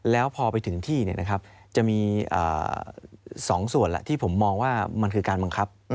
แล้วพอไปถึงที่จะมี๒ส่วนแหละที่ผมมองว่ามันคือการบังคับ